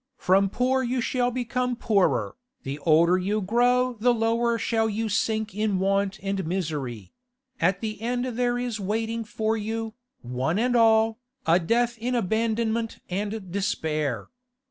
From poor you shall become poorer; the older you grow the lower shall you sink in want and misery; at the end there is waiting for you, one and all, a death in abandonment and despair.